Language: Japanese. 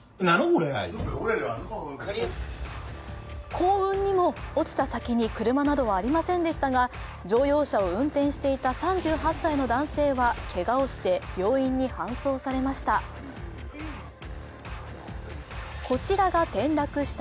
幸運にも、落ちた先に車などはありませんでしたが乗用車を運転していた３８歳の男性はけがをして病院に搬送されました。